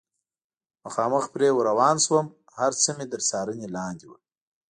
مخامخ پرې ور روان شوم، هر څه مې تر څارنې لاندې و.